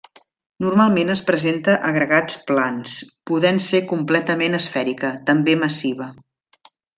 Normalment es presenta agregats plans, podent ser completament esfèrica, també massiva.